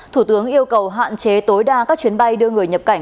thủ tướng yêu cầu hạn chế tối đa các chuyến bay đưa người nhập cảnh